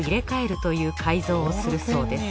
という改造をするそうです